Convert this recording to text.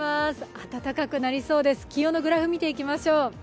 暖かくなりそうです、気温のグラフ見ていきましょう。